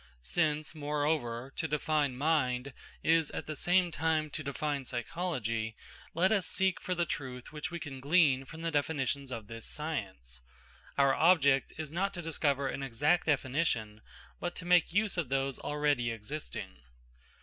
Since, moreover, to define mind is at the same time to define psychology, let us seek for the truth which we can glean from the definitions of this science. Our object is not to discover an exact definition, but to make use of those already existing.